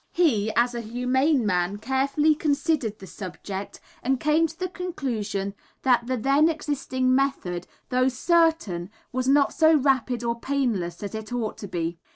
He, as a humane man, carefully considered the subject, and came to the conclusion that the then existing method, though certain, was not so rapid or painless as it ought to be.